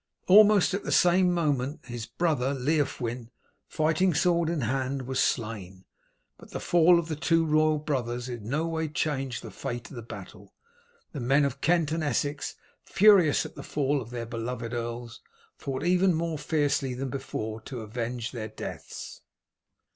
Almost at the same moment his brother Leofwin, fighting sword in hand, was slain. But the fall of the two royal brothers in no way changed the fate of the battle. The men of Kent and Essex, furious at the fall of their beloved earls, fought even more fiercely than before to avenge their deaths.